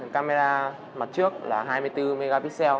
camera mặt trước là hai mươi bốn mp